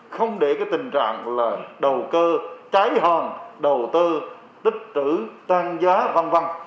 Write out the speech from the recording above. không để cái tình trạng là đầu cơ trái hòn đầu tư tích trữ tăng giá văn văn